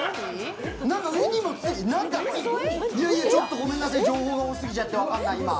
ごめんなさい、情報が多すぎちゃって、分かんない、今。